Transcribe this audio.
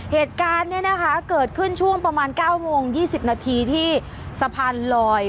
เหตุการณ์เนี่ยนะคะเกิดขึ้นช่วงประมาณ๙โมง๒๐นาทีที่สะพานลอย